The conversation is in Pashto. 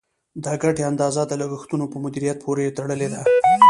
د ګټې اندازه د لګښتونو په مدیریت پورې تړلې ده.